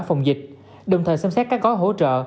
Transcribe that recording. phòng dịch đồng thời xem xét các gói hỗ trợ